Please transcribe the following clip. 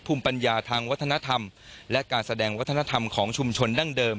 ภูมิปัญญาทางวัฒนธรรมและการแสดงวัฒนธรรมของชุมชนดั้งเดิม